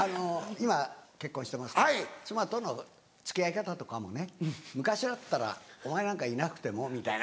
今結婚してますから妻との付き合い方とかもね昔だったらお前なんかいなくてもみたいな。